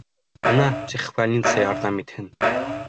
Ана, психбольница ярҙам итһен.